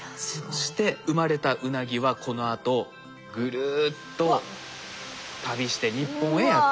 そして生まれたウナギはこのあとぐるっと旅して日本へやって来ると。